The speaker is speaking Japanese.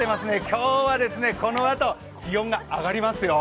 今日はこのあと、気温が上がりますよ。